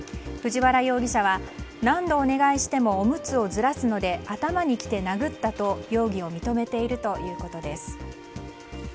藤原容疑者は、何度お願いしてもおむつをずらすので頭にきて殴ったと容疑を認めているということです。